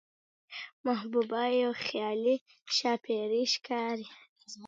محبوبه يوه خيالي ښاپېرۍ ښکاري،